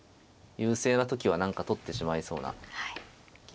優勢な時は何か取ってしまいそうな気もしますが。